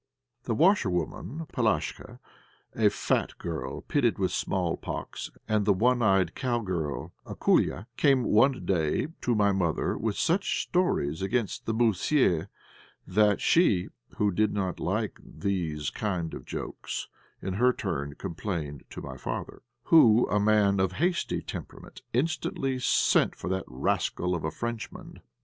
The washerwoman, Polashka, a fat girl, pitted with small pox, and the one eyed cow girl, Akoulka, came one fine day to my mother with such stories against the "moussié," that she, who did not at all like these kind of jokes, in her turn complained to my father, who, a man of hasty temperament, instantly sent for that rascal of a Frenchman.